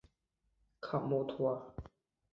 卡默图尔。